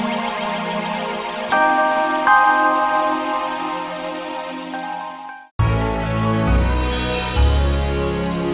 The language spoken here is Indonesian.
seru banget ya wondy